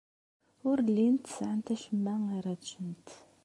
Ur llint sɛant acemma ara ččent.